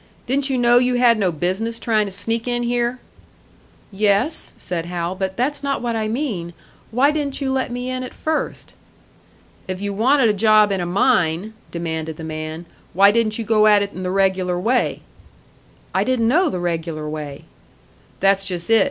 Didn't you know you had no business trying to sneak in here?" "Yes," said Hal; "but that's not what I mean. Why didn't you let me in at first?" "If you wanted a job in a mine," demanded the man, "why didn't you go at it in the regular way?" "I didn't know the regular way." "That's just it.